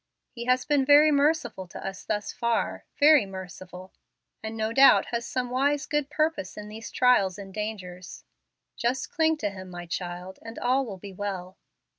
He has been very merciful to us thus far, very merciful, and no doubt has some wise, good purpose in these trials and dangers. Just cling to Him, my child, and all will be well."